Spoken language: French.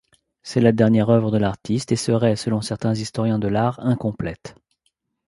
C'est la dernière œuvre de l'artiste et serait, selon certains historiens de l'art, incomplète.